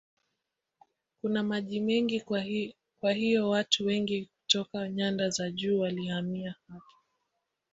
Kuna maji mengi kwa hiyo watu wengi kutoka nyanda za juu walihamia hapa.